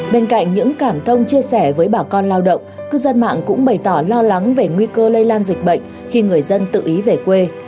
bên cạnh những cảm thông chia sẻ với bà con lao động cư dân mạng cũng bày tỏ lo lắng về nguy cơ lây lan dịch bệnh khi người dân tự ý về quê